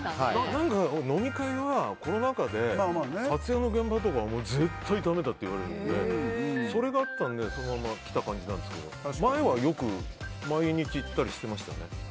飲み会はコロナ禍で撮影の現場とか絶対だめだって言われていてそれがあったのでそのままきた感じですけど前は毎日行ったりしてましたね。